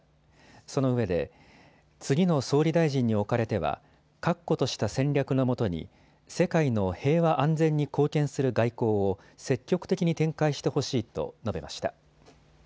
その上で、次の総理大臣におかれては、確固とした戦略のもとに、世界の平和安全に貢献する外交を積極的に展開してほしいと述べました。